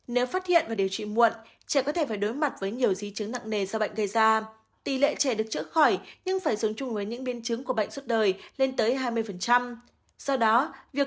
nếu phát hiện và điều trị muộn trẻ có thể phải đối mặt với nhiều di chứng nặng nề do bệnh gây ra tỷ lệ trẻ được chữa khỏi nhưng phải dùng chung với những biên chứng của bệnh suốt đời lên tới hai mươi